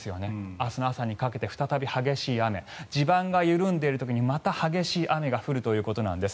明日の朝にかけて再び激しい雨地盤が緩んでいる時にまた激しい雨が降るということなんです。